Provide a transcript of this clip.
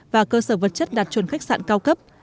và cơ sở vật chất đạt chuẩn khách sạn cao cấp